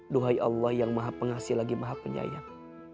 duhai allah yang maha pengasih lagi maha penyayang